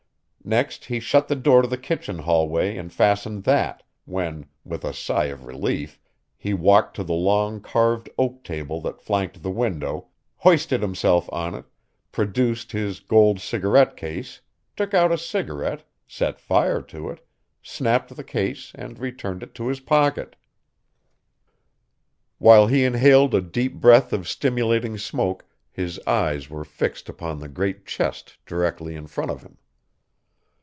Next he shut the door to the kitchen hallway and fastened that, when, with a sigh of relief, he walked to the long carved oak table that flanked the window, hoisted himself on it, produced his gold cigarette case, took out a cigarette, set fire to it, snapped the case and returned it to his pocket. While he inhaled a deep breath of stimulating smoke his eyes were fixed upon the great chest directly in front of him.